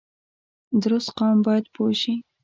درست قام باید پوه شي